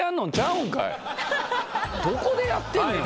どこでやってんねん。